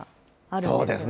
そうですね。